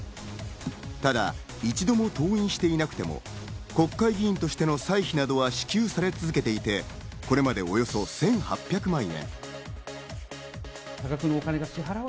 ただ一度も登院していなくても、国会議員としての歳費などは支給され続けていて、これまでにおよそ１８００万円。